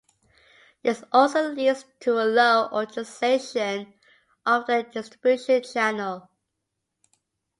This also leads to a low utilization of the distribution channel.